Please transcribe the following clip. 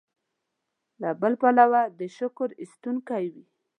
له بل پلوه دې شکر ایستونکی وي.